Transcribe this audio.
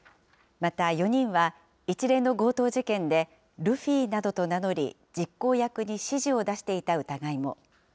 また４人は、一連の強盗事件で、ルフィなどと名乗り、実行役に指示を出していた疑いも。